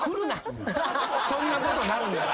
そんなことなるんなら。